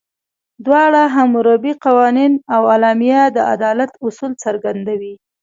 دواړه، حموربي قوانین او اعلامیه، د عدالت اصول څرګندوي.